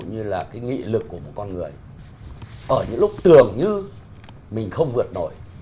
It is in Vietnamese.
hay là những con người